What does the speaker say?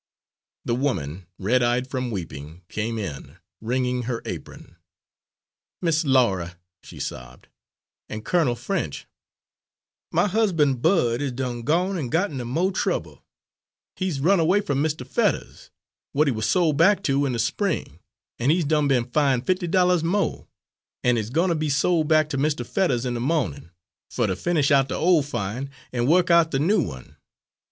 The woman, red eyed from weeping, came in, wringing her apron. "Miss Laura," she sobbed, "an' Colonel French, my husban' Bud is done gone and got inter mo' trouble. He's run away f'm Mistah Fettuhs, w'at he wuz sol' back to in de spring, an' he's done be'n fine' fifty dollahs mo', an' he's gwine ter be sol' back ter Mistah Fettuhs in de mawnin', fer ter finish out de ole fine and wo'k out de new one.